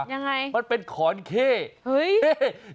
ยังไงมันเป็นขอดเคหนึ่ง